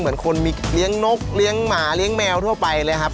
เหมือนคนมีเลี้ยงนกเลี้ยงหมาเลี้ยงแมวทั่วไปเลยครับ